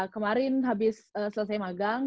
kemarin habis selesai magang